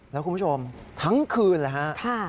แล้วคุณผู้ชมทั้งคืนเลยฮะ